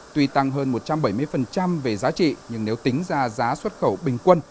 tuy tăng hơn một trăm bảy mươi về giá trị nhưng nếu tính ra giá xuất khẩu bình quân